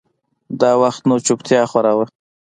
دا وخت نو چوپتيا خوره وه.